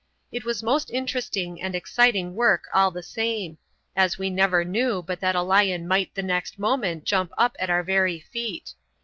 It was most interesting and exciting work all the same, as we never knew but that a lion might the next moment jump up at our very feet.